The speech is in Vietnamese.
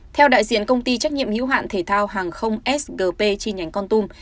theo đại diện công ty trách nhiệm hiếu hạn thể thao hàng không sgp chi nhánh con tùm